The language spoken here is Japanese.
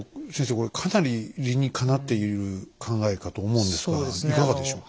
これかなり理にかなっている考えかと思うんですがいかがでしょうか？